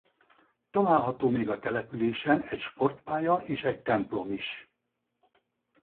Található még a településen egy sportpálya és egy templom is.